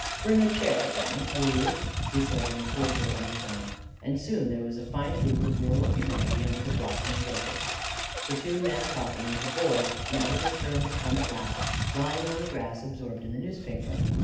"Bring a chair, Downs, will you?" he said in a cordial undertone; and soon there was a fine group of rural humanity under the blossoming locusts: the two men talking, and the boy, now that his turn had come at last, lying on the grass absorbed in the newspaper.